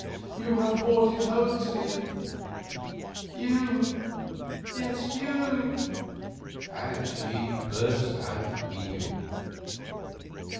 You have brought it home to me; you, yes, you!" and she burst out weeping.